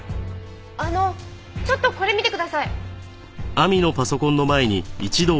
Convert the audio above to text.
あのちょっとこれ見てください。